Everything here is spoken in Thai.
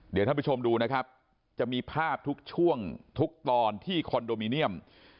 เดี๋ยวท่านผู้ชมดูนะครับจะมีภาพทุกช่วงทุกตอนที่คอนโดมิเนียม